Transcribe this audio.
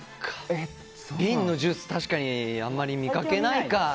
瓶のジュース確かにあんま見かけないか。